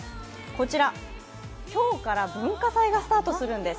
こちら、今日から文化祭がスタートするんです。